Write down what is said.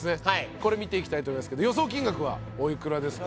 これみていきたいと思いますけど予想金額はおいくらですか？